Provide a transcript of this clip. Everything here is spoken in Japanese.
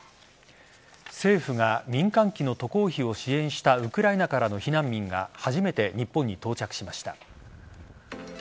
政府が民間機の渡航費を支援したウクライナからの避難民が初めて日本に到着しました。